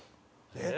えっ？